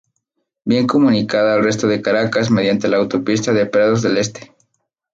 Bien comunicada al resto de Caracas mediante la autopista de Prados del Este.